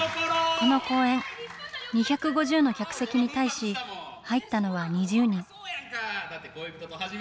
この公演、２５０の客席に対し、入ったのは２０人。